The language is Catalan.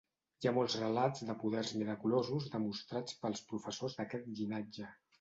Hi ha molts relats de poders miraculosos demostrats pels professors d"aquest llinatge.